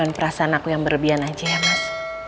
ini cuma perasaan aku yang berlebihan aja ya mas